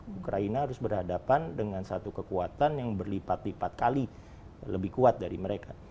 ukraina harus berhadapan dengan satu kekuatan yang berlipat lipat kali lebih kuat dari mereka